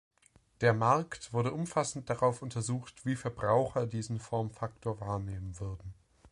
Der Markt wurde umfassend darauf untersucht, wie Verbraucher diesen Formfaktor wahrnehmen würden.